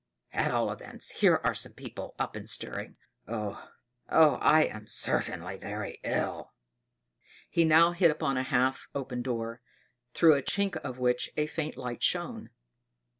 At all events here are some people up and stirring. Oh! oh! I am certainly very ill." He now hit upon a half open door, through a chink of which a faint light shone.